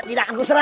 tidak aku serahkan